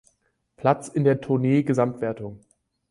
Platz in der Tournee-Gesamtwertung.